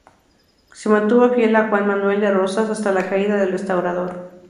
Se mantuvo fiel a Juan Manuel de Rosas hasta la caída del Restaurador.